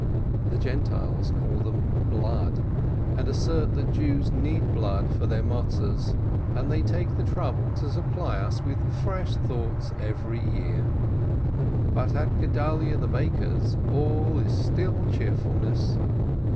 The Gentiles call them "blood," and assert that Jews need blood for their Matzes, and they take the trouble to supply us with fresh "thoughts" every year ! But at Gedalyeh the baker's all is still cheerfulness.